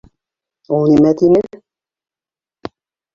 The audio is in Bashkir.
Ул нимә тине?